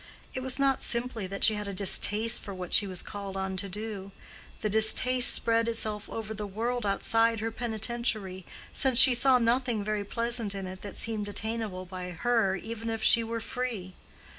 It was not simply that she had a distaste for what she was called on to do: the distaste spread itself over the world outside her penitentiary, since she saw nothing very pleasant in it that seemed attainable by her even if she were free.